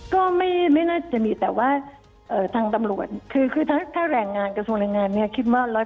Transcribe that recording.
ก็ไม่น่าจะมีแต่ว่าทางตำรวจคือถ้าแหล่งงานกระทรวงแหล่งงานคิดว่า๑๐๐นะคะ